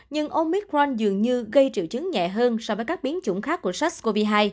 nhưng omicron dường như gây triệu chứng nhẹ hơn so với các biến chủng khác của sars cov hai